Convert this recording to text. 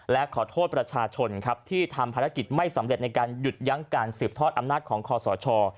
และขอโทษประชาชนครับที่ทำภารกิจไม่สำเร็จในการหยุดยั้งการสืบทอดอำนาจของคอสช